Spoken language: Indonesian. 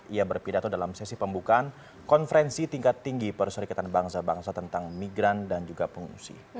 ia berpidato dalam sesi pembukaan konferensi tingkat tinggi perserikatan bangsa bangsa tentang migran dan juga pengungsi